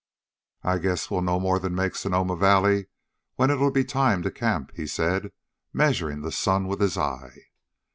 "I guess we'll no more than make Sonoma Valley when it'll be time to camp," he said, measuring the sun with his eye.